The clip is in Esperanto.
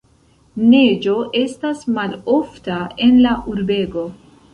Neĝo estas malofta en la urbego.